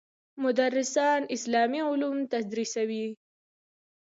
مدرسان اسلامي علوم تدریسوي.